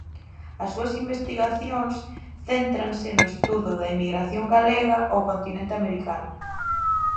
As súas investigacións céntranse no estudo da emigración galega ao continente americano.